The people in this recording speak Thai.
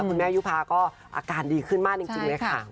คุณแม่ยุภาก็อาการดีขึ้นมากจริงเลยค่ะ